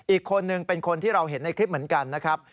อีกคนนึงเป็นคนที่เราเห็นในคลิปเหมือนกันนะครับ